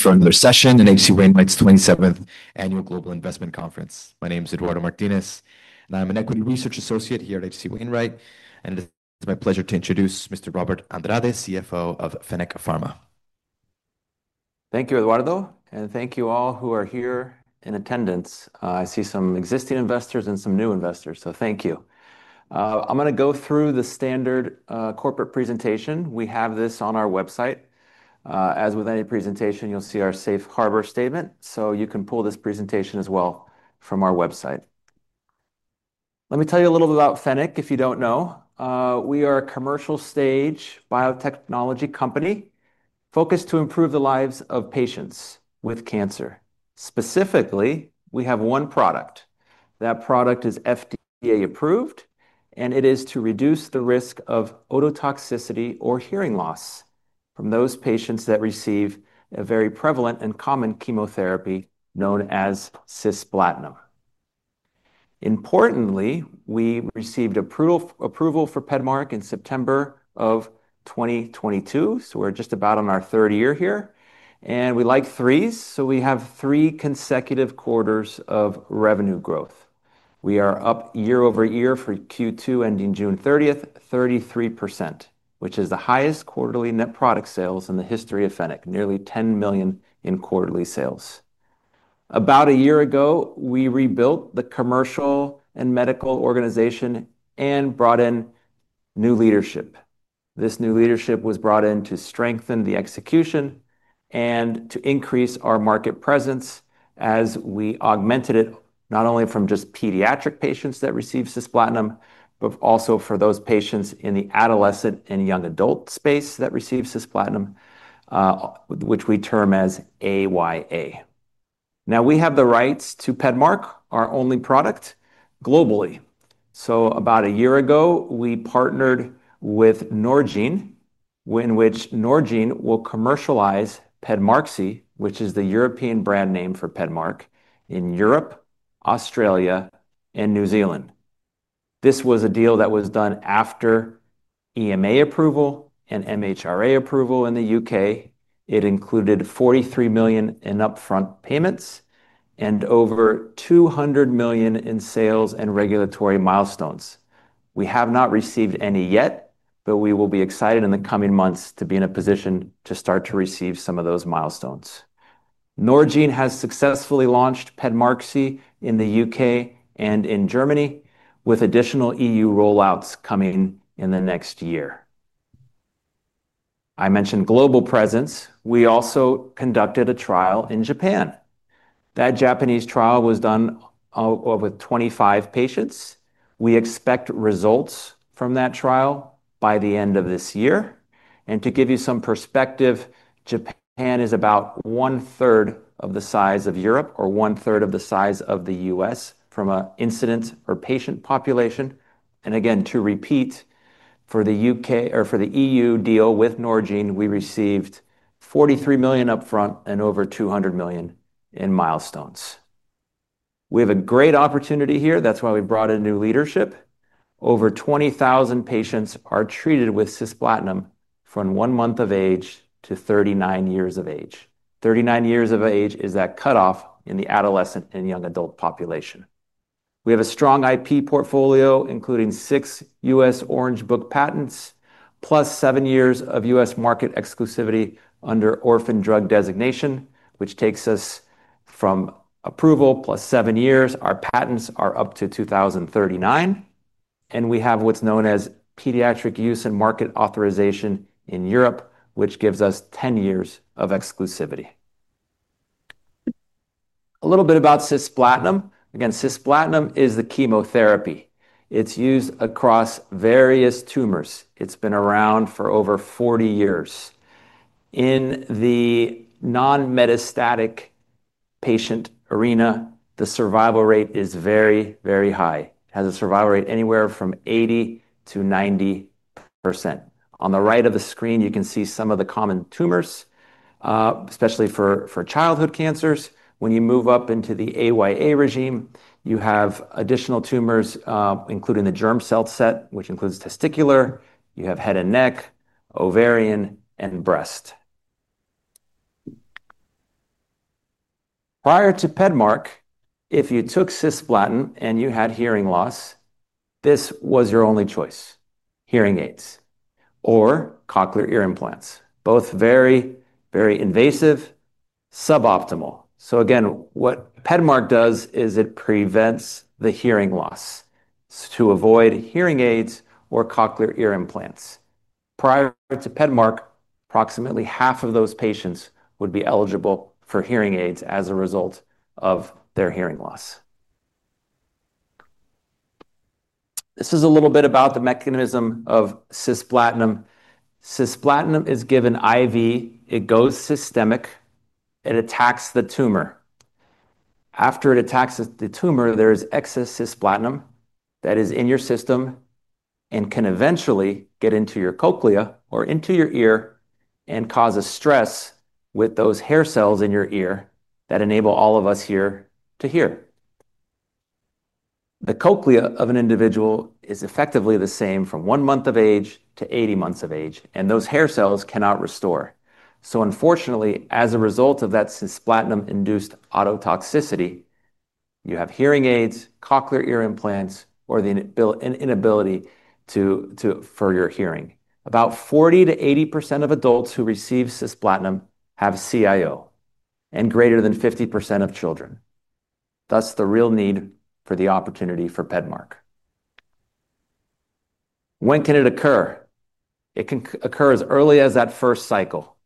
It's a friendly session in H.C. Wainwright's 27th annual Global Investment Conference. My name is Eduardo Martinez, and I'm an Equity Research Associate here at H.C. Wainwright. It's my pleasure to introduce Mr. Robert Andrade, CFO of Fennec Pharmaceuticals. Thank you, Eduardo, and thank you all who are here in attendance. I see some existing investors and some new investors, so thank you. I'm going to go through the standard corporate presentation. We have this on our website. As with any presentation, you'll see our safe harbor statement, so you can pull this presentation as well from our website. Let me tell you a little bit about Fennec if you don't know. We are a commercial-stage biotechnology company focused to improve the lives of patients with cancer. Specifically, we have one product. That product is FDA approved, and it is to reduce the risk of ototoxicity or hearing loss from those patients that receive a very prevalent and common chemotherapy known as cisplatin. Importantly, we received approval for PEDMARK in September of 2022, so we're just about on our third year here. We like threes, so we have three consecutive quarters of revenue growth. We are up year over year for Q2 ending June 30th, 33%, which is the highest quarterly net product sales in the history of Fennec, nearly $10 million in quarterly sales. About a year ago, we rebuilt the commercial and medical organization and brought in new leadership. This new leadership was brought in to strengthen the execution and to increase our market presence as we augmented it not only from just pediatric patients that receive cisplatin, but also for those patients in the adolescent and young adult space that receive cisplatin, which we term as AYA. Now, we have the rights to PEDMARK, our only product globally. About a year ago, we partnered with Norgine, in which Norgine will commercialize PEDMARQSI, which is the European brand name for PEDMARK, in Europe, Australia, and New Zealand. This was a deal that was done after EMA approval and MHRA approval in the UK. It included $43 million in upfront payments and over $200 million in sales and regulatory milestones. We have not received any yet, but we will be excited in the coming months to be in a position to start to receive some of those milestones. Norgine has successfully launched PEDMARQSI in the UK and in Germany, with additional EU rollouts coming in the next year. I mentioned global presence. We also conducted a trial in Japan. That Japanese trial was done with 25 patients. We expect results from that trial by the end of this year. To give you some perspective, Japan is about one-third of the size of Europe or one-third of the size of the U.S. from an incidence or patient population. To repeat, for the UK or for the EU deal with Norgine, we received $43 million upfront and over $200 million in milestones. We have a great opportunity here. That's why we brought in new leadership. Over 20,000 patients are treated with cisplatin from one month of age to 39 years of age. 39 years of age is that cutoff in the adolescent and young adult population. We have a strong IP portfolio, including six U.S. Orange Book patents, plus seven years of U.S. market exclusivity under orphan drug designation, which takes us from approval plus seven years. Our patents are up to 2039. We have what's known as pediatric use and market authorization in Europe, which gives us 10 years of exclusivity. A little bit about cisplatin. Cisplatin is the chemotherapy. It's used across various tumors. It's been around for over 40 years. In the non-metastatic patient arena, the survival rate is very, very high. It has a survival rate anywhere from 80% to 90%. On the right of the screen, you can see some of the common tumors, especially for childhood cancers. When you move up into the AYA regime, you have additional tumors, including the germ cell set, which includes testicular. You have head and neck, ovarian, and breast. Prior to PEDMARK, if you took cisplatin and you had hearing loss, this was your only choice: hearing aids or cochlear ear implants, both very, very invasive, suboptimal. What PEDMARK does is it prevents the hearing loss. It's to avoid hearing aids or cochlear ear implants. Prior to PEDMARK, approximately half of those patients would be eligible for hearing aids as a result of their hearing loss. This is a little bit about the mechanism of cisplatin. Cisplatin is given IV. It goes systemic. It attacks the tumor. After it attacks the tumor, there is excess cisplatin that is in your system and can eventually get into your cochlea or into your ear and cause a stress with those hair cells in your ear that enable all of us here to hear. The cochlea of an individual is effectively the same from one month of age to 80 months of age, and those hair cells cannot restore. Unfortunately, as a result of that cisplatin-induced ototoxicity, you have hearing aids, cochlear ear implants, or the inability for your hearing. About 40% to 80% of adults who receive cisplatin have CIO, and greater than 50% of children. That's the real need for the opportunity for PEDMARK. It can occur as early as that first cycle.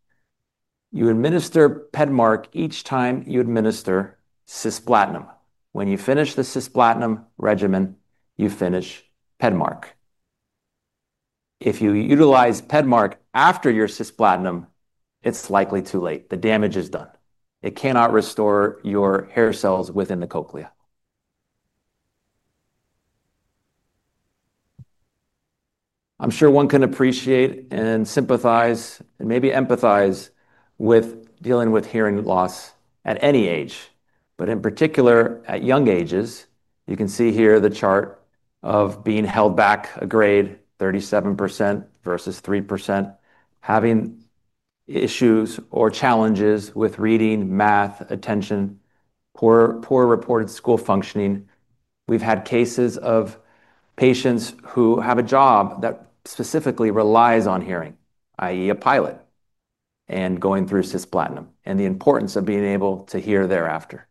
You administer PEDMARQSI each time you administer cisplatin. When you finish the cisplatin regimen, you finish PEDMARQSI. If you utilize PEDMARQSI after your cisplatin, it's likely too late. The damage is done. It cannot restore your hair cells within the cochlea. I'm sure one can appreciate and sympathize and maybe empathize with dealing with hearing loss at any age, but in particular at young ages. You can see here the chart of being held back a grade, 37% versus 3%, having issues or challenges with reading, math, attention, poor reported school functioning. We've had cases of patients who have a job that specifically relies on hearing, i.e., a pilot, and going through cisplatin and the importance of being able to hear thereafter.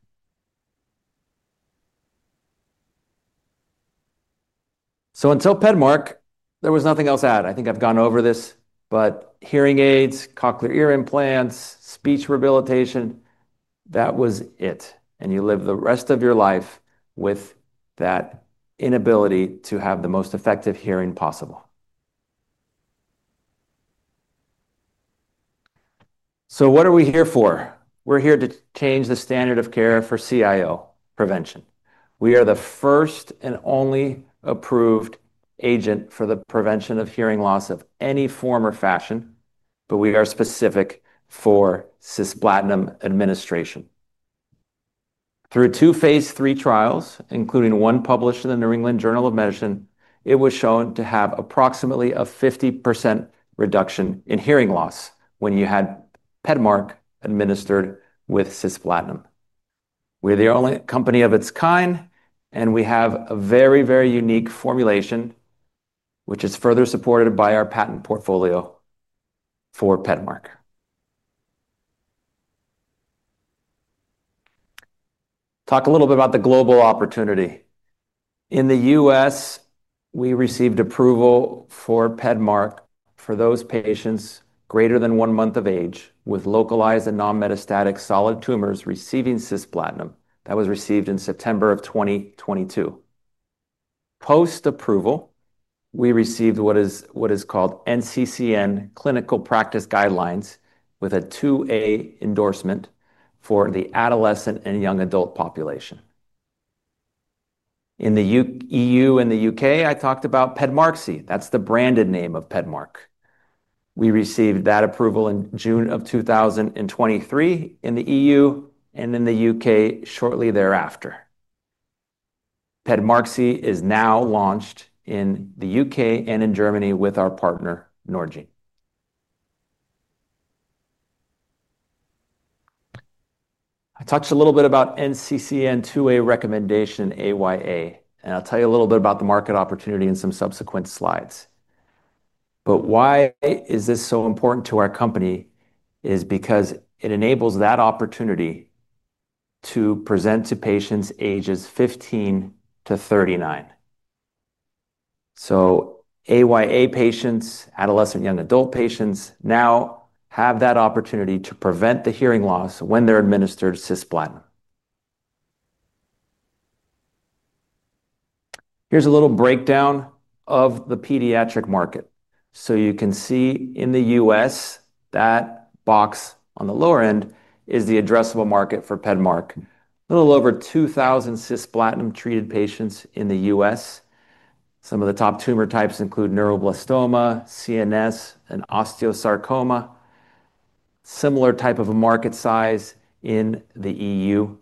Until PEDMARQSI, there was nothing else to add. I think I've gone over this, but hearing aids, cochlear ear implants, speech rehabilitation, that was it. You live the rest of your life with that inability to have the most effective hearing possible. What are we here for? We're here to change the standard of care for CIO prevention. We are the first and only approved agent for the prevention of hearing loss of any form or fashion, but we are specific for cisplatin administration. Through two phase III trials, including one published in the New England Journal of Medicine, it was shown to have approximately a 50% reduction in hearing loss when you had PEDMARQSI administered with cisplatin. We're the only company of its kind, and we have a very, very unique formulation, which is further supported by our patent portfolio for PEDMARQSI. Talk a little bit about the global opportunity. In the U.S., we received approval for PEDMARK for those patients greater than one month of age with localized and non-metastatic solid tumors receiving cisplatin. That was received in September of 2022. Post-approval, we received what is called NCCN Clinical Practice Guidelines with a 2A endorsement for the adolescent and young adult population. In the EU and the UK, I talked about PEDMARQSI. That's the branded name of PEDMARK. We received that approval in June of 2023 in the EU and in the UK shortly thereafter. PEDMARQSI is now launched in the UK and in Germany with our partner, Norgine. I touched a little bit about NCCN 2A recommendation, AYA, and I'll tell you a little bit about the market opportunity in some subsequent slides. Why this is so important to our company is because it enables that opportunity to present to patients ages 15 to 39. AYA patients, adolescent and young adult patients, now have that opportunity to prevent the hearing loss when they're administered cisplatin. Here's a little breakdown of the pediatric market. You can see in the U.S., that box on the lower end is the addressable market for PEDMARK. A little over 2,000 cisplatin-treated patients in the U.S. Some of the top tumor types include neuroblastoma, CNS, and osteosarcoma. Similar type of a market size in the EU.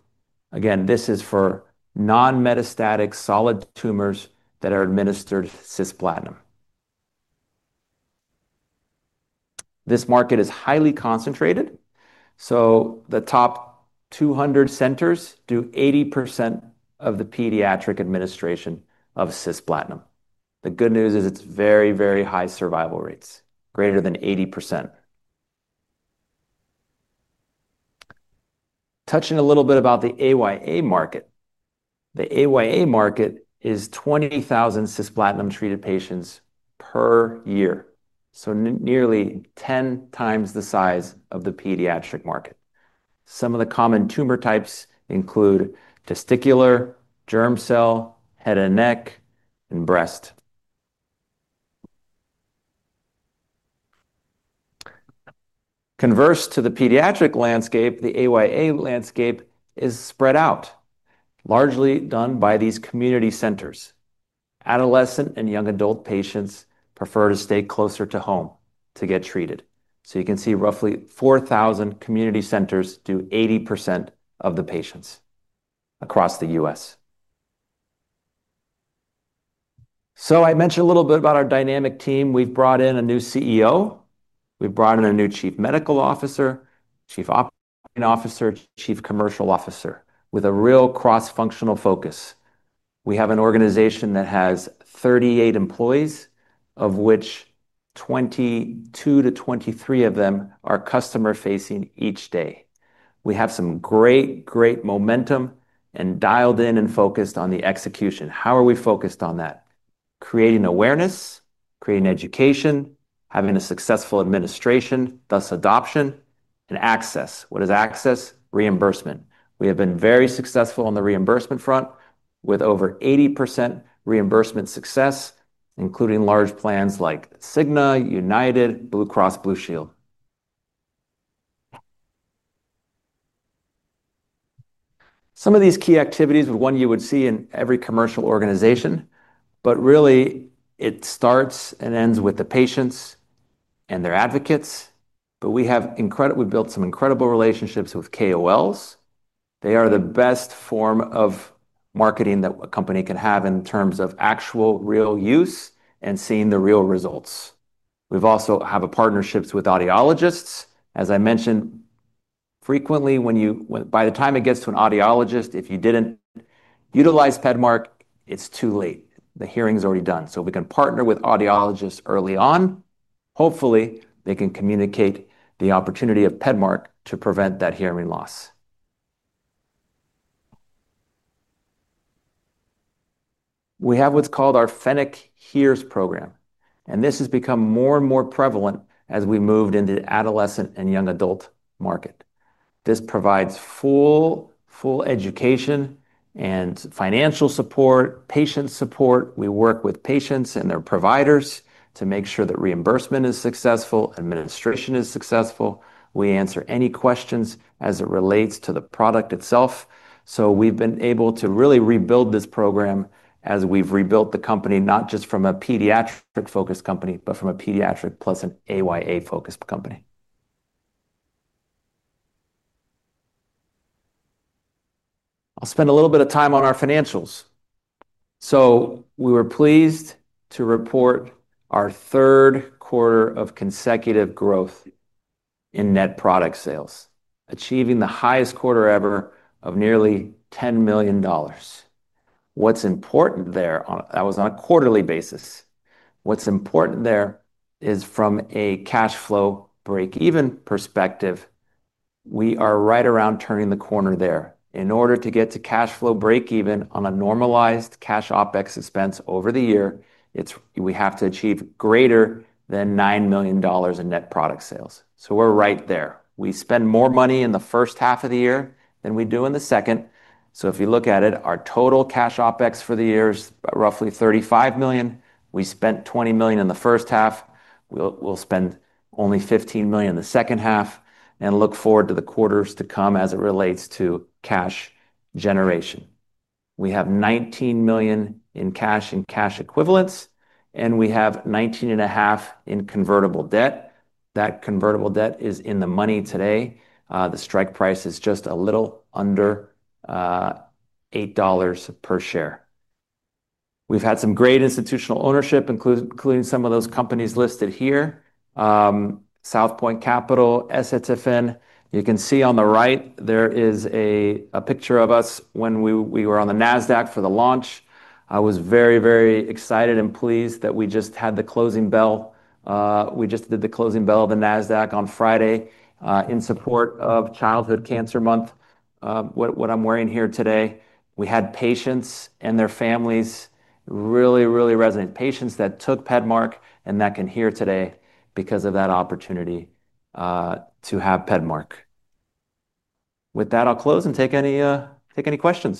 Again, this is for non-metastatic solid tumors that are administered cisplatin. This market is highly concentrated. The top 200 centers do 80% of the pediatric administration of cisplatin. The good news is it's very, very high survival rates, greater than 80%. Touching a little bit about the AYA market, the AYA market is 20,000 cisplatin-treated patients per year, so nearly 10 times the size of the pediatric market. Some of the common tumor types include testicular, germ cell, head and neck, and breast. Converse to the pediatric landscape, the AYA landscape is spread out, largely done by these community centers. Adolescent and young adult patients prefer to stay closer to home to get treated. You can see roughly 4,000 community centers do 80% of the patients across the U.S. I mentioned a little bit about our dynamic team. We've brought in a new CEO. We've brought in a new Chief Medical Officer, Chief Operating Officer, Chief Commercial Officer with a real cross-functional focus. We have an organization that has 38 employees, of which 22 to 23 of them are customer-facing each day. We have some great, great momentum and dialed in and focused on the execution. How are we focused on that? Creating awareness, creating education, having a successful administration, thus adoption, and access. What is access? Reimbursement. We have been very successful on the reimbursement front with over 80% reimbursement success, including large plans like Cigna, United, Blue Cross Blue Shield. Some of these key activities are ones you would see in every commercial organization, but really, it starts and ends with the patients and their advocates. We have incredible, we built some incredible relationships with KOLs. They are the best form of marketing that a company can have in terms of actual real use and seeing the real results. We've also had partnerships with audiologists. As I mentioned, frequently, by the time it gets to an audiologist, if you didn't utilize PEDMARK, it's too late. The hearing is already done. We can partner with audiologists early on. Hopefully, they can communicate the opportunity of PEDMARQSI to prevent that hearing loss. We have what's called our Fennec HEARS program, and this has become more and more prevalent as we moved into the adolescent and young adult market. This provides full education and financial support, patient support. We work with patients and their providers to make sure that reimbursement is successful, administration is successful. We answer any questions as it relates to the product itself. We've been able to really rebuild this program as we've rebuilt the company, not just from a pediatric-focused company, but from a pediatric plus an AYA-focused company. I'll spend a little bit of time on our financials. We were pleased to report our third quarter of consecutive growth in net product sales, achieving the highest quarter ever of nearly $10 million. What's important there? That was on a quarterly basis. What's important there is from a cash flow break-even perspective, we are right around turning the corner there. In order to get to cash flow break-even on a normalized cash OpEx expense over the year, we have to achieve greater than $9 million in net product sales. We're right there. We spend more money in the first half of the year than we do in the second. If you look at it, our total cash OpEx for the year is roughly $35 million. We spent $20 million in the first half. We'll spend only $15 million in the second half and look forward to the quarters to come as it relates to cash generation. We have $19 million in cash and cash equivalents, and we have $19,500 in convertible debt. That convertible debt is in the money today. The strike price is just a little under $8 per share. We've had some great institutional ownership, including some of those companies listed here: Southpoint Capital, Sphera Funds Management. You can see on the right, there is a picture of us when we were on the NASDAQ for the launch. I was very, very excited and pleased that we just had the closing bell. We just did the closing bell of the NASDAQ on Friday in support of Childhood Cancer Month. What I'm wearing here today, we had patients and their families really, really resonate. Patients that took PEDMARQSI and that can hear today because of that opportunity to have PEDMARQSI. With that, I'll close and take any questions.